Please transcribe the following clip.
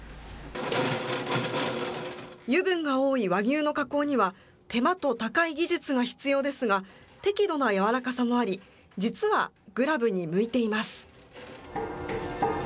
油分が多い和牛の加工には、手間と高い技術が必要ですが、適度な柔らかさもあり、実は、グラブに向いています。